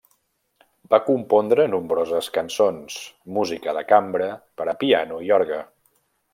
Va compondre nombroses cançons, música de cambra, per a piano i orgue.